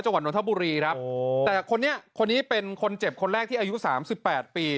วัดนทบุรีครับโอ้แต่คนนี้คนนี้เป็นคนเจ็บคนแรกที่อายุสามสิบแปดปี